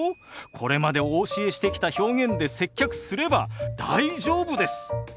これまでお教えしてきた表現で接客すれば大丈夫です。